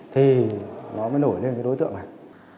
thì nó mới nổi lên cái đối tượng này